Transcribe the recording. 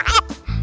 mendingan kabur aja